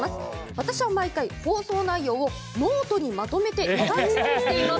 私は毎回、放送内容をノートにまとめて見返したりしています。